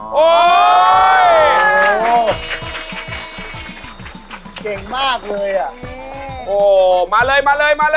เก่งมากเลยอ่ะ